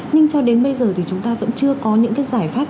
nhưng cho đến bây giờ thì chúng ta vẫn chưa có những cái giải pháp